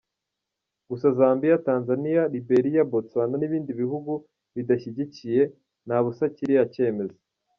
Gusa Zambia, Tanzania, Liberia, Botswana n’ibindi bihugu bidashyigikiye na busa kiriya cyemezo.